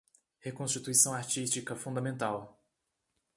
Reconstituição artística fundamental